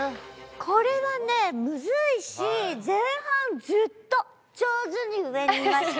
これはねむずいし前半ずっと上手に上にいました。